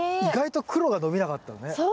意外と黒が伸びなかったのね。